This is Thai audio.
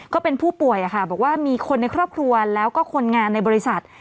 ก็เป็นผู้ป่วยบอกว่ามีคนในครอบครัวแล้วก็คนงานในบริษัท